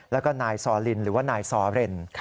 แล้วก็นายซอลินหรือว่านายซอเรน